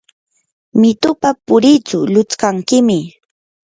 mitupa puritsu lutskankiymi.